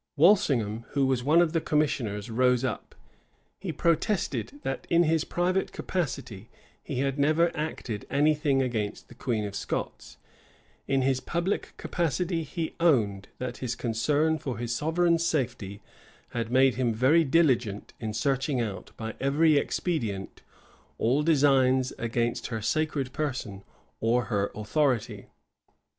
Walsingham, who was one of the commissioners, rose up. He protested that, in his private capacity, he had never acted any thing against the queen of Scots: in his public capacity, he owned, that his concern for his sovereign's safety had made him very diligent in searching out, by every expedient, all designs against her sacred person or her authority.